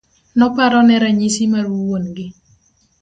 Noparone ranyisi mar wuon gi.